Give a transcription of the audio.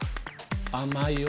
甘いよ？